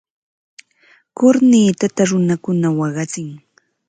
Kurnitata runakuna waqachin.